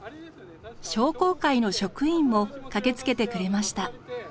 商工会の職員も駆けつけてくれました。